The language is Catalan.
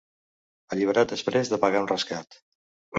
Alliberat després de pagar un rescat.